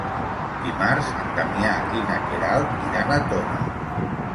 Dimarts en Damià i na Queralt iran a Tona.